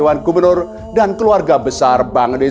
dan menjaga kebaikan pribadi